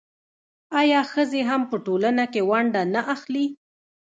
آیا ښځې هم په ټولنه کې ونډه نه اخلي؟